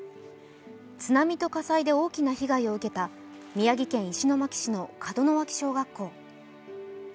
津波と火災で大きな被害を受けた宮城県石巻市の門脇小学校。